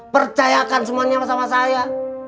percayakan semuanya sama saya